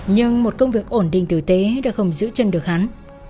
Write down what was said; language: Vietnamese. nhưng một công việc ổn định tử tế đã không giữ chân được hắn